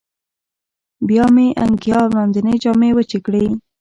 بیا مې انګیا او لاندینۍ جامې وچې کړې.